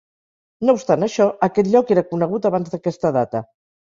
No obstant això, aquest lloc era conegut abans d'aquesta data.